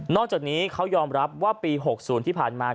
จากนี้เขายอมรับว่าปี๖๐ที่ผ่านมา